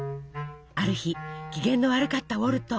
ある日機嫌の悪かったウォルト。